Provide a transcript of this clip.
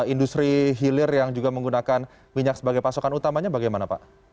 industri hilir yang juga menggunakan minyak sebagai pasokan utamanya bagaimana pak